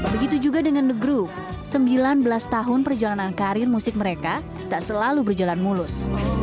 begitu juga dengan the groove sembilan belas tahun perjalanan karir musik mereka tak selalu berjalan mulus